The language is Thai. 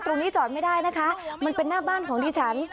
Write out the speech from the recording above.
ตรงนี้จอดไม่ได้นะคะมันเป็นหน้าบ้านของที่ฉัน